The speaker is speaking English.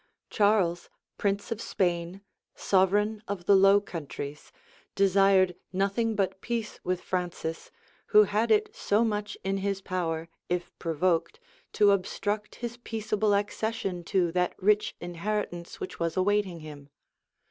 Charles, prince of Spain, sovereign of the Low Countries, desired nothing but peace with Francis, who had it so much in his power, if provoked, to obstruct his peaceable accession to that rich inheritance which was awaiting him.